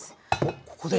ここで？